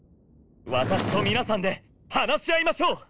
私と皆さんで話し合いましょう！